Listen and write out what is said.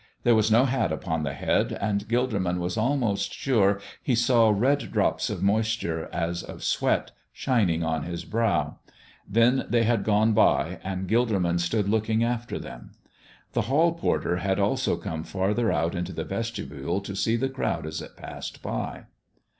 There was no hat upon the head, and Gilderman was almost sure he saw red drops of moisture, as of sweat, shining on His brow. Then they had gone by and Gilderman stood looking after them. The hall porter had also come farther out into the vestibule to see the crowd as it passed by.